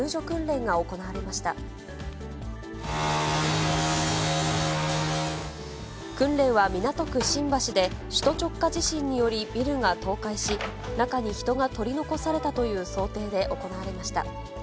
訓練は港区新橋で、首都直下地震によりビルが倒壊し、中に人が取り残されたという想定で行われました。